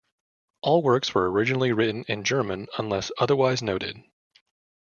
All works were originally written in German unless otherwise noted.